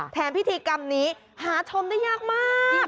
พิธีกรรมนี้หาชมได้ยากมาก